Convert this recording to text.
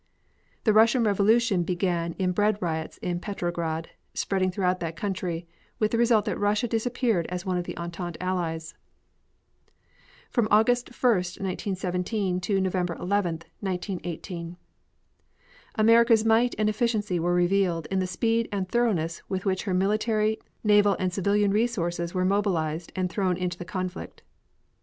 The Russian revolution beginning in bread riots in Petrograd, spread throughout that country, with the result that Russia disappeared as one of the Entente Allies. FROM AUGUST 1, 1917 NOVEMBER 11, 1918 America's might and efficiency were revealed in the speed and thoroughness with which her military, naval and civilian resources were mobilized and thrown into the conflict.